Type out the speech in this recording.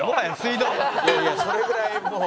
いやいやそれぐらいもう。